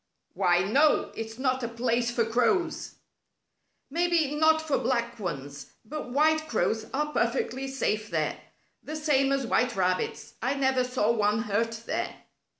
"Why, no, it's not a place for crows." "Maybe not for black ones, but white crows are perfectly safe there, the same as white rabbits. I never saw one hurt there."